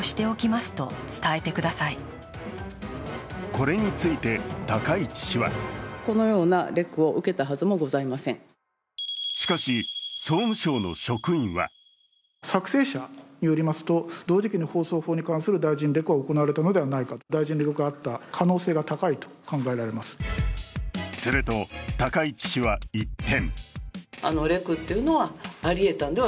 これについて高市氏はしかし総務省の職員はすると、高市氏は一転。